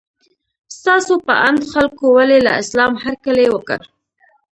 ستاسو په اند خلکو ولې له اسلام هرکلی وکړ؟